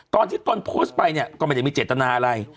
ตอนที่ที่ตอนพดไปก็ไม่ได้มีเจตนาอะไร